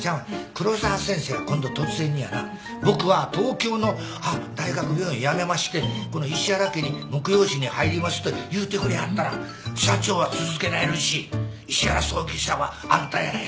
黒沢先生が今度突然にやな「僕は東京の大学病院辞めましてこの石原家に婿養子に入ります」と言うてくれはったら社長は続けられるし石原葬儀社は安泰やないかい。